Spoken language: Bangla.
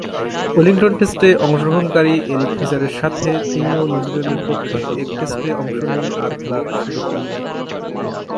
ওয়েলিংটন টেস্টে অংশগ্রহণকারী এরিক ফিশারের সাথে তিনিও নিউজিল্যান্ডের পক্ষে এক টেস্টে অংশ নিয়ে আর খেলার সুযোগ পাননি।